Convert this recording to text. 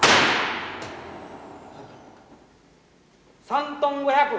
３トン５００。